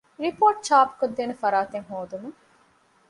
ރިޕޯޓު ޗާޕުކޮށްދޭނެ ފަރާތެއް ހޯދުމަށް